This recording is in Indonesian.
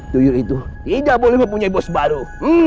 tuyur itu tidak boleh mempunyai bos baru